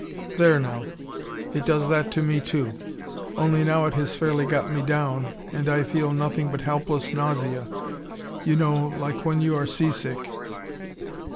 "There now. It does that to me, too. Only now it has fairly got me down, and I feel nothing but helpless nausea. You know, like when you are seasick."